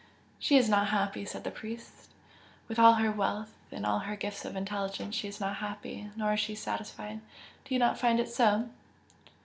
"She is not happy!" said the priest "With all her wealth, and all her gifts of intelligence she is not happy, nor is she satisfied. Do you not find it so?"